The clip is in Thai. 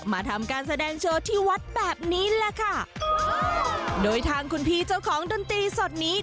มาทำการแสดงโชว์ที่วัดแบบนี้แหละค่ะโดยทางคุณพี่เจ้าของดนตรีสดนี้